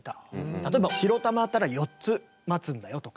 例えば白玉あったら４つ待つんだよとか。